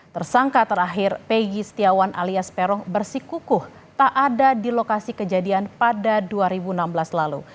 tersangka terakhir pegi setiawan alias peron bersikukuh tak ada di lokasi kejadian pada dua ribu enam belas lalu